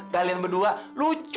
kalian berdua lucu ya